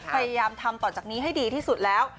พยายามทำต่อจากนี้ให้ดีที่สุดแล้ว